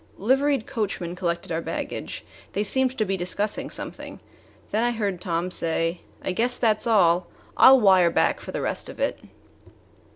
Liveried coachmen collected our baggage. They seemed to be discussing something; then I heard Tom say: "I guess that 's all. I 'll wire back for the rest of it."